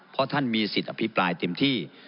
เพราะท่านมีสิทธิ์อภิปรายเต็มที่